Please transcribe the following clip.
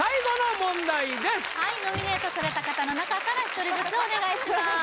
はいノミネートされた方の中から一人ずつお願いします